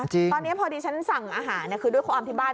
ตอนนี้พอดีฉันสั่งอาหารคือด้วยความที่บ้าน